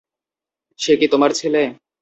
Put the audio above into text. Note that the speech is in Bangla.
সে কি তোমার ছেলে?